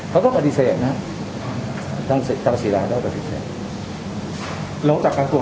เขาก็ปฏิเสธนะจำเธอจะสินายทั้งตัดความสินเที่ยวแล้ว